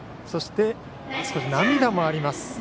そして、少し涙もあります。